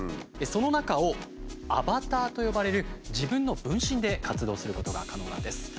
その中を「アバター」と呼ばれる自分の分身で活動することが可能なんです。